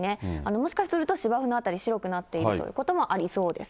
もしかすると、芝生の辺り、白くなっているということもありそうです。